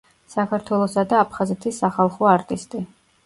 საქართველოსა და აფხაზეთის სახალხო არტისტი.